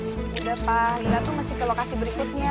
udah pak lila tuh masih ke lokasi berikutnya